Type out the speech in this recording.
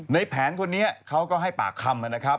ในแผนคนนี้เขาก็ให้ปากคำนะครับ